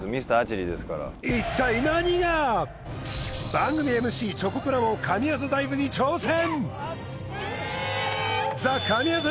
番組ＭＣチョコプラも神業ダイブに挑戦！